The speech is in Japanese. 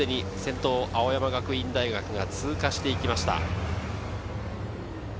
先頭、青山学院大学が通過してきました。